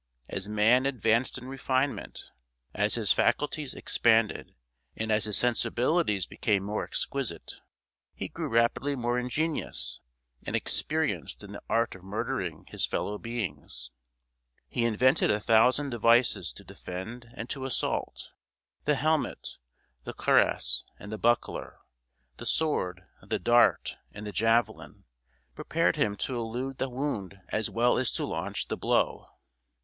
As man advanced in refinement, as his faculties expanded, and as his sensibilities became more exquisite, he grew rapidly more ingenious and experienced in the art of murdering his fellow beings. He invented a thousand devices to defend and to assault the helmet, the cuirass, and the buckler, the sword, the dart, and the javelin, prepared him to elude the wound as well as to launch the blow.